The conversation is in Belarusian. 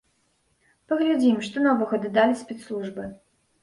Паглядзім, што новага дадалі спецслужбы.